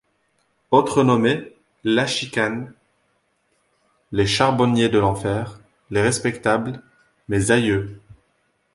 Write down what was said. Autres nommés: la Chicane, les Charbonniers de l'Enfer, les Respectables, Mes Aïeux.